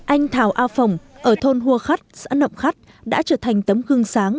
anh thảo a phồng ở thôn hua khắt xã nộng khắt đã trở thành tấm gương sáng